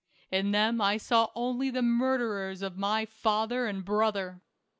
" In them I saw only the murderers of my father and brother.